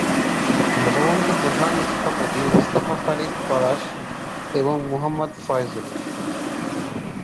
ভবনটি প্রধান স্থপতি মুস্তাফা খালিদ পলাশ এবং মোহাম্মদ ফয়েজ উল্লাহ।